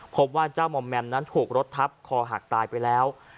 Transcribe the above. พบว่าเจ้ามอมแมมนั้นถูกรถทับคอหักตายไปแล้ว